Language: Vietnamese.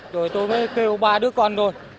rồi tôi mới kêu ba đứa con thôi